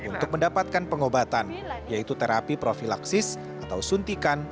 untuk mendapatkan pengobatan yaitu terapi profilaksis atau suntikan